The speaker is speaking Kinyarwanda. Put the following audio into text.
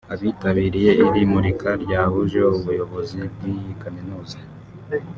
Abitabiriye iri murika ryahuje ubuyobozi bw’iyi Kaminuza